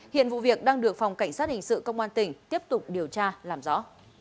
hiện vụ việc đang được phòng cảnh sát hình sự công an tỉnh tiếp tục điều tra làm rõ